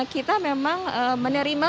kita memang menerima